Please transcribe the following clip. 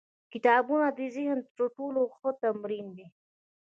کتابونه د ذهن تر ټولو ښه تمرین دی.